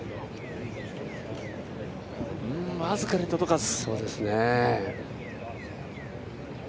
僅かに届かず。